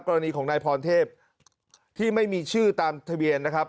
กรณีของนายพรเทพที่ไม่มีชื่อตามทะเบียนนะครับ